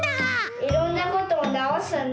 いろんなことをなおすんだ。